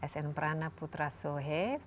sn prana putra sohe